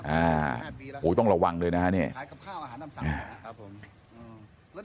อ่าโหต้องระวังเลยนะฮะนี่ขายกับข้าวอาหารตามสั่งครับผมอืม